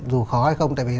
dù khó hay không